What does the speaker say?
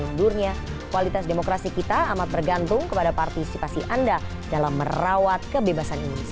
dan yang dulurnya kualitas demokrasi kita amat bergantung kepada partisipasi anda dalam merawat kebebasan indonesia